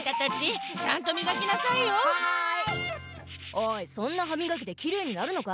おいそんな歯みがきできれいになるのか？